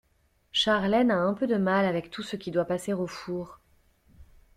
Charlène a un peu de mal avec tout ce qui doit passer au four.